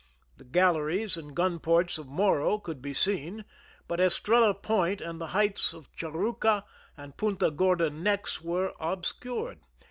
The galleries and gun ports of Morro could be seen, but Estrella Point and the heights of Churruca and Punta Gorda necks were obscured.